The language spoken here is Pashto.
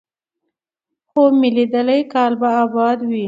خوب مې ليدلی کال به اباد وي،